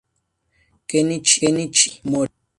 Kenichi Mori